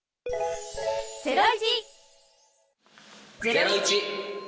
『ゼロイチ』。